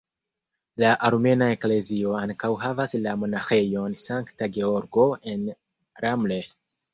La Armena Eklezio ankaŭ havas la monaĥejon Sankta Georgo en Ramleh.